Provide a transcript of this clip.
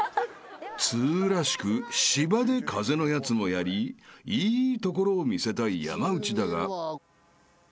［通らしく芝で風のやつもやりいいところを見せたい山内だが］